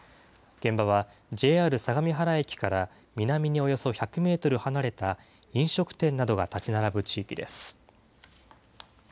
現場はＪＲ相模原駅から南におよそ１００メートル離れた、飲食店などが建ち並ぶ地域です。